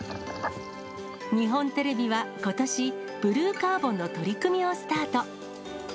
日本テレビはことし、ブルーカーボンの取り組みをスタート。